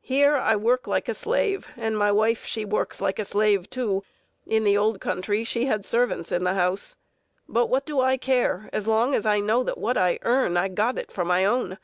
Here I work like a slave, and my wife she works like a slave, too, in the old country she had servants in the house, but what do I care, as long as I know what I earn I got it for my own?